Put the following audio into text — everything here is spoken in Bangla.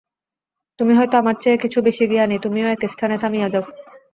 তুমি হয়তো আমার চেয়ে কিছু বেশী জ্ঞানী, তুমিও একস্থানে থামিয়া যাও।